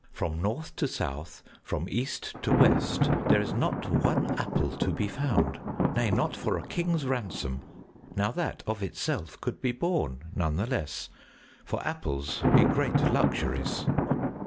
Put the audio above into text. From north to south, from east to west, there is not one apple to be found, nay not for a king's ransom. Now that of itself could be borne, none the less, for apples be great luxuries.